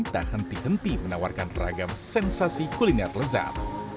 tak henti henti menawarkan ragam sensasi kuliner lezat